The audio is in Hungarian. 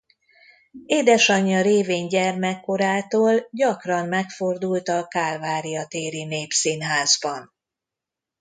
Édesanyja révén gyermekkorától gyakran megfordult a Kálvária téri Népszínházban.